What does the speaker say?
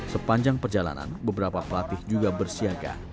sepanjang perjalanan beberapa pelatih juga bersiaga